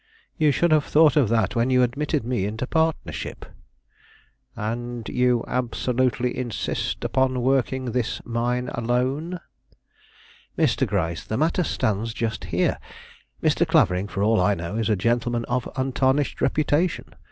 "You should have thought of that when you admitted me into partnership." "And you absolutely insist upon working this mine alone?" "Mr. Gryce, the matter stands just here. Mr. Clavering, for all I know, is a gentleman of untarnished reputation.